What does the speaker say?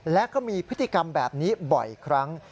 และก็มีพฤติกรรมแบบนี้บ่อยครั้ง